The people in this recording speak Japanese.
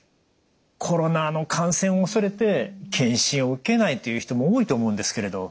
コロナの感染を恐れて検診を受けないという人も多いと思うんですけれど。